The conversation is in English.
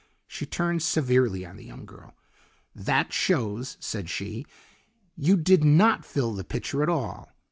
She turned severely on the young girl. "That shows," said she, "you did not fill the pitcher at all.